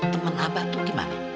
temen abang tuh gimana